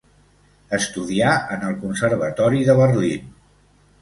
Estudià en el Conservatori de Berlín.